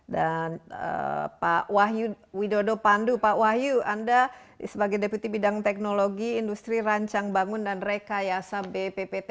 dan pak wahyu widodo pandu pak wahyu anda sebagai deputi bidang teknologi industri rancang bangun dan rekayasa bppt